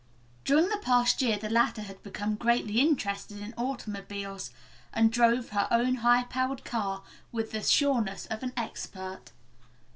During the past year the latter had become greatly interested in automobiles, and drove her own high powered car with the sureness of an expert.